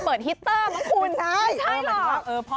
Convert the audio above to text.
เปิดฮิตเตอร์ไม่ใช่หรอก